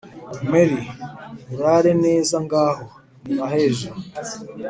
mary : urare neza ngaho! ni ahejo